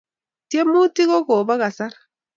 tyemutik ko Kobo kasar